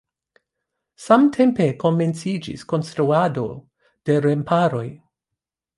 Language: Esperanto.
Samtempe komenciĝis konstruado de remparoj.